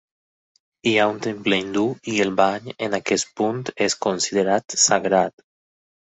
Hi ha un temple hindú i el bany en aquest punt és considerat sagrat.